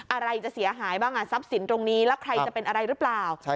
อะไรจะเสียหายบ้างทรัพย์สินตรงนี้แล้วใครจะเป็นอะไรหรือเปล่า